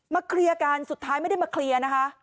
เคลียร์กันสุดท้ายไม่ได้มาเคลียร์นะคะ